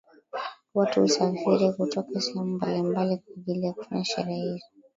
Watu husafiri kutoka sehemu mbalimbali kwa ajili ya kufanya sherehe hizo